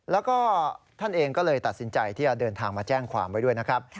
แล้วก็ท่านเองก็เลยตัดสินใจที่จะเดินทางมาแจ้งความไว้ด้วยนะครับ